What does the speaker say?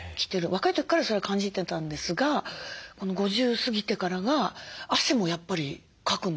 若い時からそれは感じてたんですが５０過ぎてからが汗もやっぱりかくんですよ。